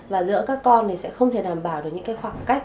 và giữa các con thì sẽ không thể đảm bảo được những khoảng cách